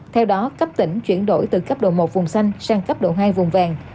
theo đó cấp tỉnh chuyển đổi từ cấp độ một vùng xanh sang cấp độ hai vùng vàng